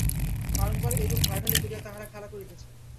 বারংবার এইরূপ ঢালাঢালি করিয়া তাঁহারা খেলা করিতেছেন।